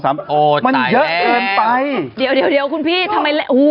มันเยอะเอิญไปโอ้ตายแล้วเดี๋ยวคุณพี่ทำไมโอ้โฮ